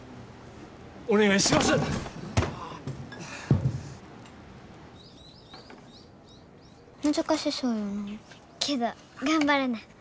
けど頑張らな。